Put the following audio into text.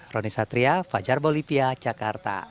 roni satria fajar bolivia jakarta